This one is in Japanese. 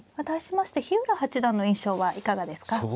対しまして日浦八段の印象はいかがですか。